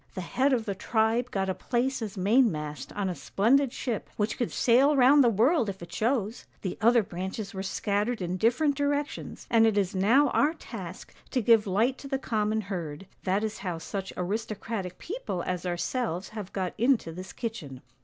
The head of the tribe got a place as mainmast on a splendid ship, which could sail round the world if it chose; the other branches were scattered in different directions, and it is now our task to give light to the common herd, that is how such aristocratic people as ourselves have got into this kitchen.'